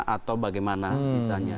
atau bagaimana misalnya